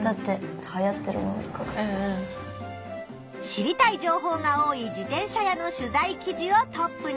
知りたい情報が多い自転車屋の取材記事をトップに。